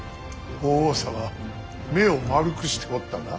法皇様目を丸くしておったな。